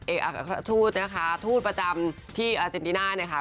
เอกอากาศธูธนะคะธูธประจำที่อเจนติน่า